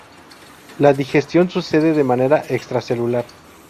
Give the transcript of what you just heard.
La digestión sucede de manera extracelular.